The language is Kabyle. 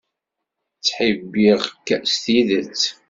Ttḥibbiɣ-k s tidet.